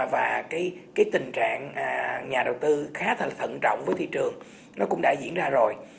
và cái tình trạng nhà đầu tư khá là thận trọng với thị trường nó cũng đã diễn ra rồi